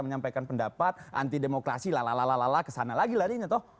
menyampaikan pendapat anti demokrasi lalala ke sana lagi larinya toh